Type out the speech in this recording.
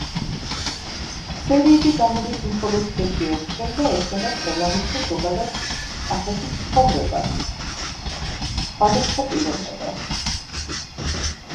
სერიები გამოდის მხოლოდ თვეში ერთხელ და ეხება თელავის და ზოგადად კახეთის ცხოვრებას, სხვადასხვა პიროვნებას.